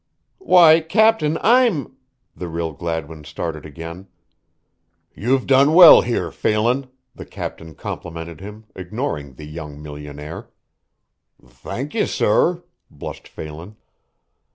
"Why, captain, I'm " the real Gladwin started again. "You've done well here, Phelan," the captain complimented him, ignoring the young millionaire. "Thank ye, sorr," blushed Phelan.